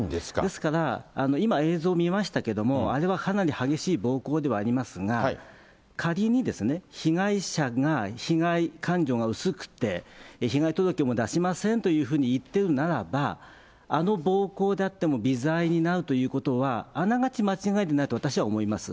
ですから、今映像見ましたけれども、あれはかなり激しい暴行ではありますが、仮に被害者が被害感情が薄くて、被害届も出しませんというふうに言ってるならば、あの暴行であっても微罪になるということは、あながち間違いではないと、私は思います。